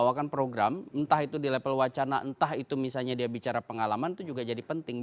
kalau entah itu di level wacana entah itu misalnya dia bicara pengalaman itu juga jadi penting